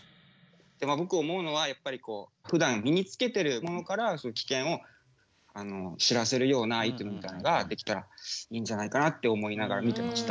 僕思うのはやっぱりこう危険を知らせるようなアイテムみたいなのができたらいいんじゃないかなって思いながら見てました。